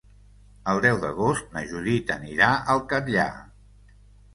El deu d'agost na Judit anirà al Catllar.